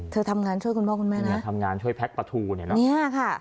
เธอทำงานช่วยคุณบ้างคุณแม่นะทำงานช่วยแพ็กปะทูเนี่ยเนี่ยค่ะ